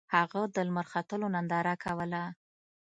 هغه د لمر ختلو ننداره کوله.